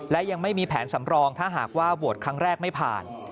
และยังไม่มีแผนสำรองถ้าหากว่าโหวตครั้งแรกไม่ผ่าน